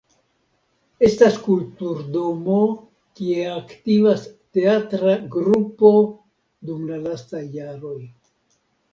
Estas kulturdomo kie aktivas teatra grupo dum la lastaj jaroj.